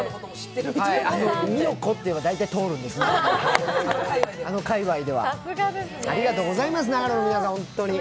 美代子と言えば大体通るんです、あの界隈では、ありがとうございます、長野の皆さん、本当に。